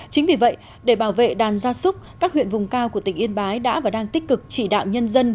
chính vì vậy để bảo vệ đàn gia súc các huyện vùng cao của tỉnh yên bái đã và đang tích cực chỉ đạo nhân dân